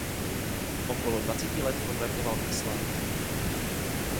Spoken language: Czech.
Okolo dvaceti let konvertoval k islámu.